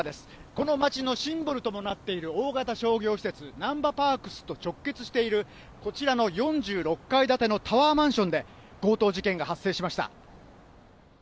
この街のシンボルともなっている大型商業施設、なんばパークスと直結しているこちらの４６階建てのタワーマンションで、強盗事件が発生しました。